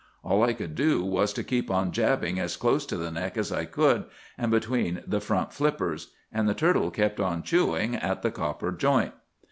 All I could do was to keep on jabbing as close to the neck as I could, and between the front flippers. And the turtle kept on chewing at the copper joint.